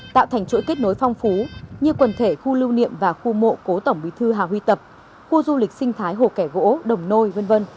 tạo thành chuỗi kết nối phong phú như quần thể khu lưu niệm và khu mộ cố tổng bí thư hà huy tập khu du lịch sinh thái hồ kẻ gỗ đồng nôi v v